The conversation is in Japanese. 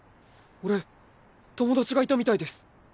俺友達がいたみたいです。